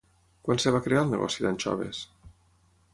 Quan es va crear el negoci d'anxoves?